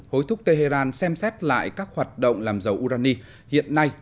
hối thúc tehran xem xét lại các hoạt động làm dầu urani hiện nay